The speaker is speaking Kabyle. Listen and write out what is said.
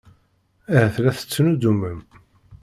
Ahat la tettnuddumem.